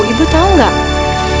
ibu tau gak